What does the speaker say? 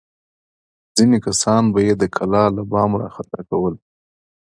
ځینې کسان به یې د کلا له بامه راخطا کول.